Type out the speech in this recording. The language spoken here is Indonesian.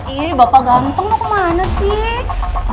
ih bapak gantong mau kemana sih